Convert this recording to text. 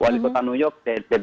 di kota new york